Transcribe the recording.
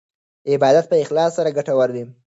عبادت په اخلاص سره ګټور وي.